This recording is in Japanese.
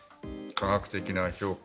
科学的な評価